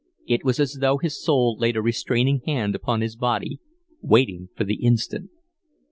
It was as though his soul laid a restraining hand upon his body, waiting for the instant.